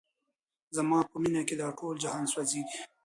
زما په مینه کي دا ټول جهان سوځیږي